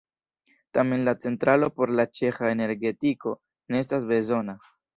Tamen la centralo por la ĉeĥa energetiko ne estas bezona.